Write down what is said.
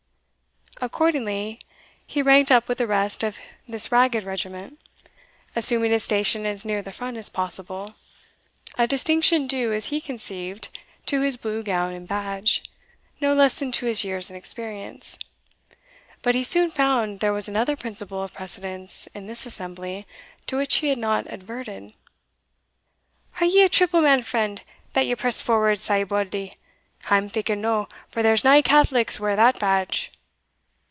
Accordingly, he ranked up with the rest of this ragged regiment, assuming a station as near the front as possible, a distinction due, as he conceived, to his blue gown and badge, no less than to his years and experience; but he soon found there was another principle of precedence in this assembly, to which he had not adverted. "Are ye a triple man, friend, that ye press forward sae bauldly? I'm thinking no, for there's nae Catholics wear that badge."